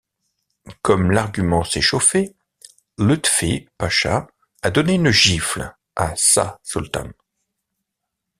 Comme l'argument s'est chauffé, Lütfi Pacha a donné une giffle à Şah Sultan.